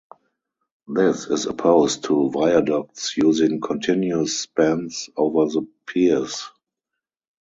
This is opposed to viaducts using continuous spans over the piers.